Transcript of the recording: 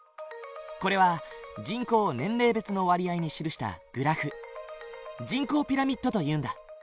これは人口を年齢別の割合に記したグラフ人口ピラミッドというんだ。